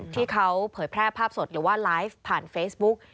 ที่เขาเผยแพร่ภาพสดหรือว่าไลฟ์ผ่านเฟซบุ๊ก